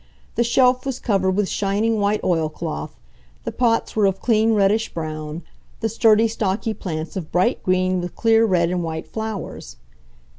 The shelf was covered with shining white oil cloth, the pots were of clean reddish brown, the sturdy, stocky plants of bright green with clear red and white flowers.